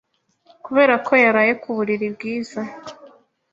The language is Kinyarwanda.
kubera ko yaraye ku buriri bwiza,